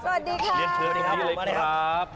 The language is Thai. เรียนเชิญตัวนี้เลยครับ